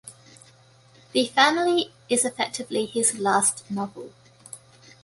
"The Family" is effectively his last novel.